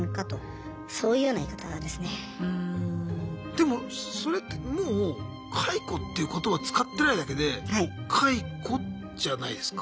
でもそれってもう解雇っていう言葉使ってないだけで解雇じゃないですか？